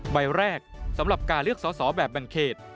ใบแรกสำหรับการเลือกสอสอแบบแบ่งเขต